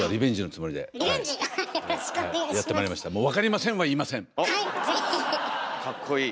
もうかっこいい。